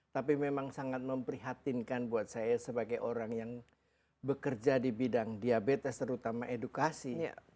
tapi memang sangat memprihatinkan buat saya sebagai orang yang bekerja di bidang diabetes terutama edukasi